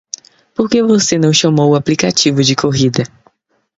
Por que você não chamou o aplicativo de corrida?